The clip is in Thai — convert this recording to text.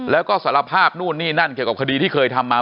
แล้วก็สารภาพนู่นนี่นั่นเกี่ยวกับคดีที่เคยทำมา